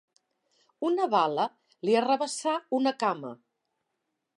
Una bala li arrabassà una cama.